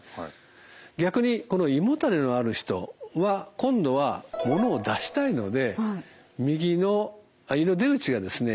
逆にこの胃もたれのある人は今度はものを出したいので右の胃の出口がですね